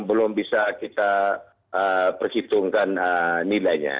belum bisa kita perhitungkan nilainya